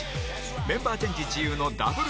メンバーチェンジ自由のダブルス対決